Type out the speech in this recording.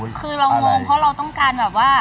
เรานงงเราต้องการ